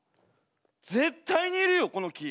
絶対にいるよこの木。